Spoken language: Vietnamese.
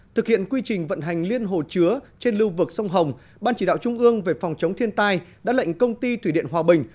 thực hiện quy trình vận hành liên hồ chứa trên lưu vực sông hồng ban chỉ đạo trung ương về phòng chống thiên tai đã lệnh công ty thủy điện hòa bình